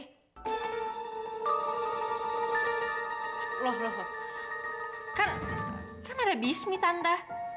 loh loh kan kan ada bismi tante